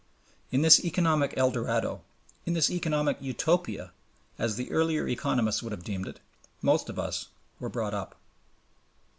In this economic Eldorado, in this economic Utopia, as the earlier economists would have deemed it, most of us were brought up.